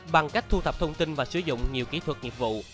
bằng cách thu thập thông tin và sử dụng nhiều kỹ thuật nghiệp vụ